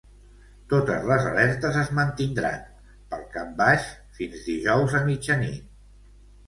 Totes les alertes es mantindran, pel cap baix, fins dijous a mitjanit.